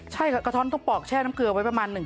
ใช่เราต้องปอกแช่น้ำเวลาไว้กว่าประมาณ๑คืน